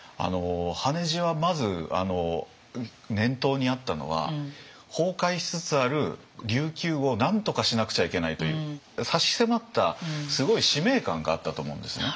羽地はまず念頭にあったのは崩壊しつつある琉球をなんとかしなくちゃいけないという差し迫ったすごい使命感があったと思うんですね。